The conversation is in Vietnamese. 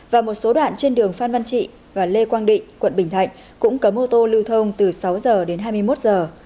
và một số đoạn trên đường phan văn trị và lê quang định quận bình thạnh cũng cấm ô tô lưu thông từ sáu giờ đến hai mươi một giờ